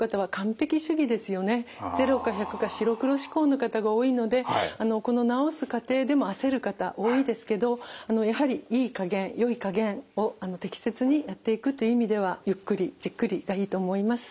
０か１００か白黒思考の方が多いのでこの治す過程でも焦る方多いですけどやはりいいかげんよいかげんを適切にやっていくという意味ではゆっくりじっくりがいいと思います。